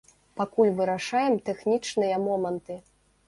Пакуль вырашаем тэхнічныя моманты.